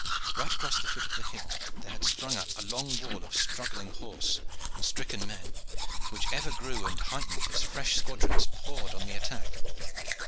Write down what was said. Right across the foot of the hill there had sprung up a long wall of struggling horses and stricken men, which ever grew and heightened as fresh squadrons poured on the attack.